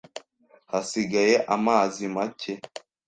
Hasigaye amazi make